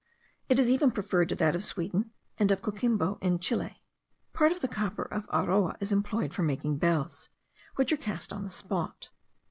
It is even preferred to that of Sweden, and of Coquimbo in Chile. Part of the copper of Aroa is employed for making bells, which are cast on the spot.